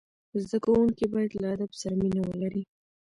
زدهکوونکي باید له ادب سره مینه ولري.